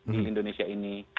di indonesia ini